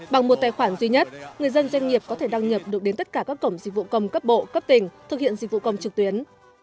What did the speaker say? bằng một tài khoản duy nhất người dân doanh nghiệp có thể đăng nhập được đến tất cả các cổng dịch vụ công cấp bộ cấp tỉnh thực hiện dịch vụ công trực tuyến